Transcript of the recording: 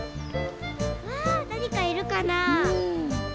わなにかいるかなあ？